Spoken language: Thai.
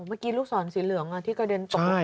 เมื่อกี้ลูกศรสีเหลืองที่กระเด็นตกลงไป